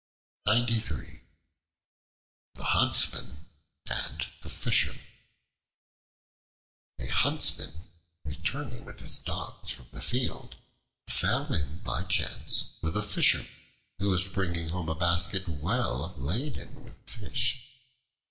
The Huntsman and the Fisherman A HUNTSMAN, returning with his dogs from the field, fell in by chance with a Fisherman who was bringing home a basket well laden with fish.